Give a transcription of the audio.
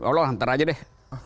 loh ntar aja deh